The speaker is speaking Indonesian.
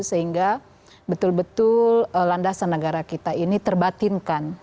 sehingga betul betul landasan negara kita ini terbatinkan